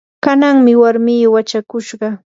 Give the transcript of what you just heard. kananmi warmii wachakushqa.